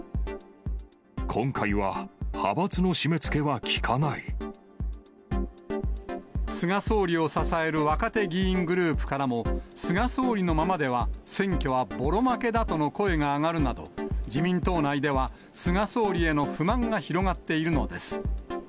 今回は派閥の締めつけは利か菅総理を支える若手議員グループからも、菅総理のままでは選挙はぼろ負けだとの声が上がるなど、自民党内では菅総理への不満が広がっているのです。